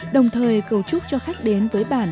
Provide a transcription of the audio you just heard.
đồng thời cầu chúc cho khách đến với bản